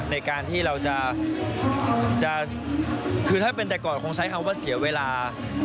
ในการที่เราจะ